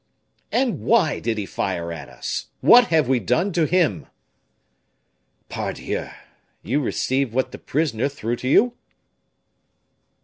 "And why did he fire at us? What have we done to him?" "Pardieu! You received what the prisoner threw to you?"